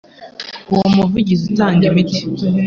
(Uwo muvuzi utanga imiti)